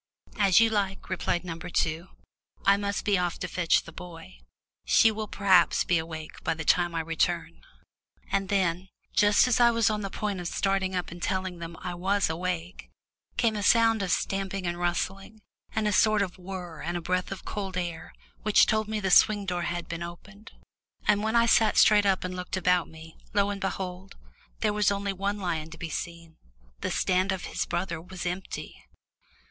"As you like," replied number two. "I must be off to fetch the boy. She will perhaps be awake by the time I return." And then just as I was on the point of starting up and telling them I was awake came a sound of stamping and rustling, and a sort of whirr and a breath of cold air, which told me the swing door had been opened. And when I sat straight up and looked about me, lo and behold, there was only one lion to be seen the stand of his brother was empty!